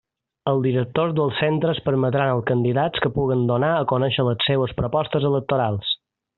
Els directors dels centres permetran als candidats que puguen donar a conéixer les seues propostes electorals.